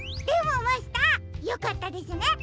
でもマスターよかったですね